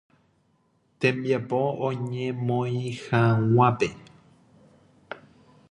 Tembiapo oñemoĩhaguépe.